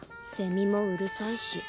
セミもうるさいし。